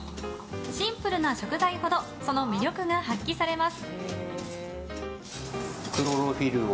シンプルな食材ほどその魅力が発揮されます。